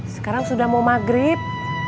sekarang sudah mau maghrib